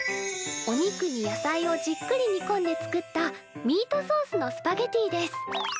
お肉に野菜をじっくり煮込んで作ったミートソースのスパゲティです。